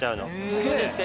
どうですか？